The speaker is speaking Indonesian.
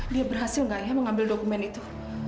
dia berhasil gak ya mengambil dokumen itu